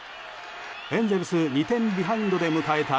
エンゼルス２点ビハインドで迎えた